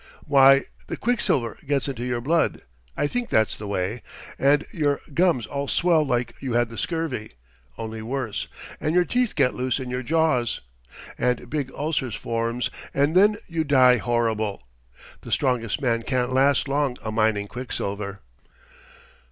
"Why, the quicksilver gets into your blood; I think that's the way. And your gums all swell like you had the scurvy, only worse, and your teeth get loose in your jaws. And big ulcers forms, and then you die horrible. The strongest man can't last long a mining quicksilver."